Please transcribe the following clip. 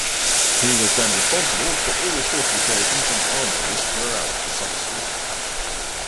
He was then responsible for all fortifications and armories throughout Saxony.